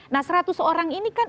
nah seratus orang ini kan